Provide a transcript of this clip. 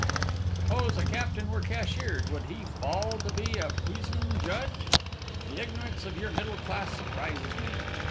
suppose a captain were cashiered, would he fall to be a puisne judge? The ignorance of your middle class surprises me.